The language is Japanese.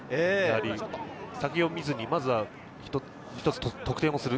先を見ずに、まずは一つ得点をする。